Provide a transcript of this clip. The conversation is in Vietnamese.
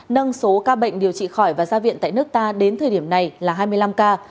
nâng số ca bệnh điều trị khỏi và ra viện tại nước ta đến thời điểm này là hai mươi năm ca